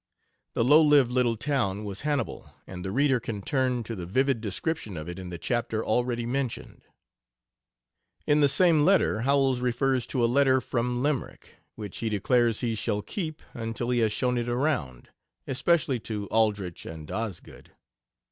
The "low lived little town" was Hannibal, and the reader can turn to the vivid description of it in the chapter already mentioned. In the same letter Howells refers to a "letter from Limerick," which he declares he shall keep until he has shown it around especially to Aldrich and Osgood.